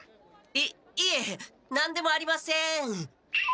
いいえ何でもありません。